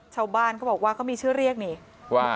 ชาวบ้านเขาบอกว่าเขามีชื่อเรียกนี่ว่า